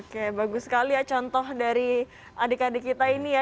oke bagus sekali ya contoh dari adik adik kita ini ya